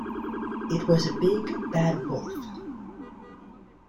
It was a big, bad wolf.